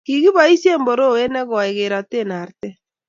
kikiboisien borowe ne goi kerate arte